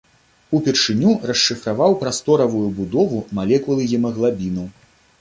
Упершыню расшыфраваў прасторавую будову малекулы гемаглабіну.